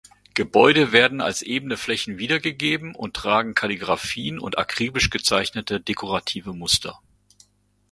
Gebäude werden als ebene Flächen wiedergegeben und tragen Kalligraphien und akribisch gezeichnete dekorative Muster.